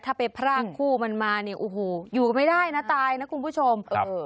ถ้าไปพรากคู่มันมาเนี่ยโอ้โหอยู่ไม่ได้นะตายนะคุณผู้ชมเออ